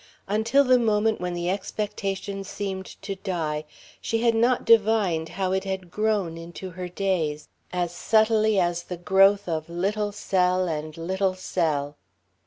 Until the moment when the expectation seemed to die she had not divined how it had grown into her days, as subtly as the growth of little cell and little cell.